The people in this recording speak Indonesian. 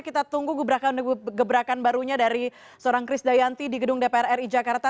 kita tunggu gebrakan gebrakan barunya dari seorang kris dayanti di gedung dpr ri jakarta